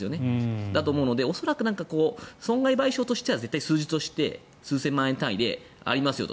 そうだと思うので恐らく損害賠償としては数字として数千万円でやりますよと。